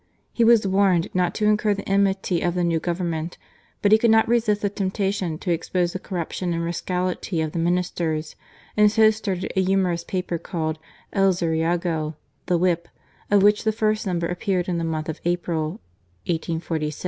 He was warned not to incur the enmity of the new Government, but he could not resist the temptation to expose the corrup tion and rascality of the Ministers, and so started a humorous paper called El Zurriago (The Whip), of which the first number appeared in the month of April, 26 GARCIA MORENO.